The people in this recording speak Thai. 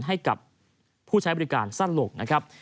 ให้กับผู้ใช้บริการสร้านหลบ